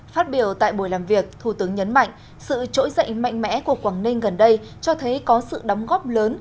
phát biểu tại buổi làm việc thủ tướng nhấn mạnh sự trỗi dậy mạnh mẽ của quảng ninh gần đây cho thấy có sự đóng góp lớn